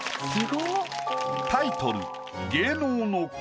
タイトル